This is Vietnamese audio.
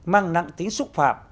mang nặng tính xúc phạm